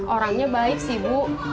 orangnya baik sih bu